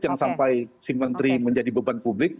jangan sampai si menteri menjadi beban publik